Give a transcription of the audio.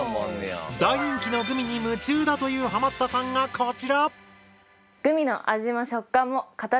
大人気のグミに夢中だというハマったさんがこちら！